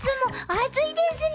暑いですね。